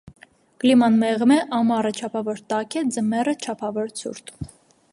Կլիման մեղմ Է, ամառը չափավոր տաք Է, ձմեռը՝ չափավոր ցուրտ։